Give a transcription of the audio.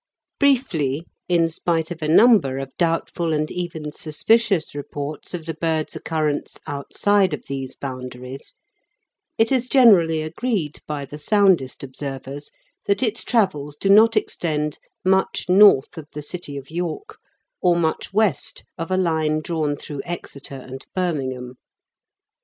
Briefly, in spite of a number of doubtful and even suspicious reports of the bird's occurrence outside of these boundaries, it is generally agreed by the soundest observers that its travels do not extend much north of the city of York, or much west of a line drawn through Exeter and Birmingham.